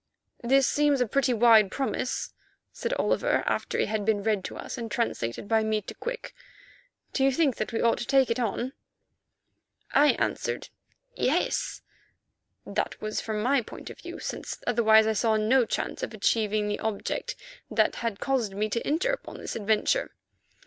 "This seems a pretty wide promise," said Oliver, after it had been read to us and translated by me to Quick. "Do you think that we ought to take it on?" I answered "Yes," that was from my point of view, since otherwise I saw no chance of achieving the object that had caused me to enter upon this adventure.